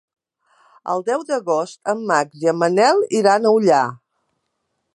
El deu d'agost en Max i en Manel iran a Ullà.